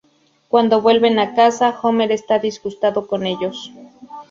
Cuando vuelven a casa, Homer está disgustado con ellos.